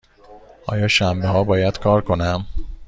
آیا شنبه ها باید کار کنم؟